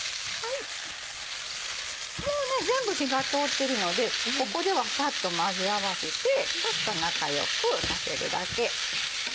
もう全部火が通ってるのでここではサッと混ぜ合わせてちょっと仲良く混ぜるだけ。